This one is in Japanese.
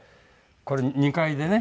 これ２階でね。